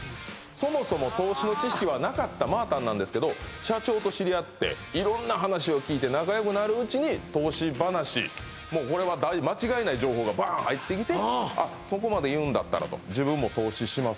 そもそも投資の知識はなかったまあたんなんですけど社長と知り合って色んな話を聞いて仲良くなるうちに投資話もうこれは間違いない情報がバーン入ってきて「あっそこまで言うんだったら自分も投資します」